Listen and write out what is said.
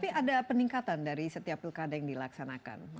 tapi ada peningkatan dari setiap pilkada yang dilaksanakan